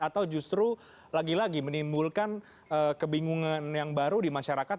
atau justru lagi lagi menimbulkan kebingungan yang baru di masyarakat